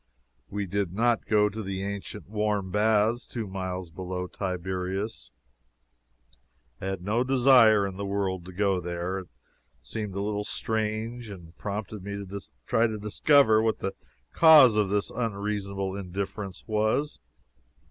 We did not go to the ancient warm baths two miles below Tiberias. I had no desire in the world to go there. This seemed a little strange, and prompted me to try to discover what the cause of this unreasonable indifference was.